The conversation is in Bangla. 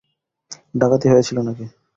ডাকাতি হয়েছিল নাকি?